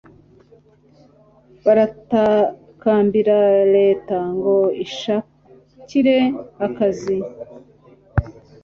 baratakambira leta ngo ibashakire akazi